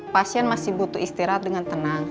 pasien masih butuh istirahat dengan tenang